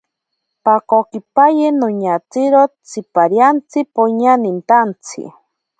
Pakokipaye noñakiro tsipariantsi poña nintantsi.